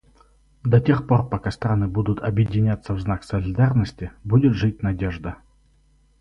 До тех пор пока страны будут объединяться в знак солидарности, будет жить надежда.